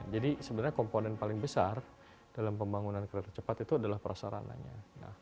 jadi sebenarnya komponen paling besar dalam pembangunan kereta cepat itu adalah prasarananya